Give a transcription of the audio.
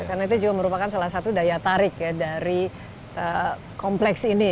karena itu juga merupakan salah satu daya tarik dari kompleks ini